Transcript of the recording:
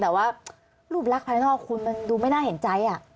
แต่ว่ารูปลักษณ์ภายนอกคุณมันดูไม่น่าเห็นใจ